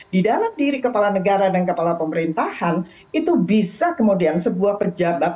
di dalam diri kepala negara dan kepala pemerintahan itu bisa kemudian sebuah pejabat